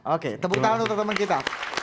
oke tepuk tangan untuk teman kita